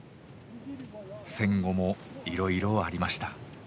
戦後もいろいろありました。